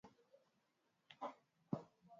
waliotekwa nyara zaidi ya mwaka mmoja